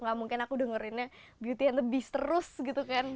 gak mungkin aku dengerinnya beauty and the beast terus gitu kan